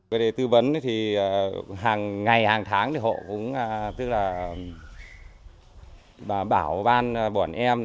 về tư vấn thì ngày hàng tháng họ cũng bảo ban bọn em